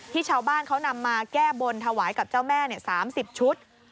ชาวบ้านเขานำมาแก้บนถวายกับเจ้าแม่๓๐ชุด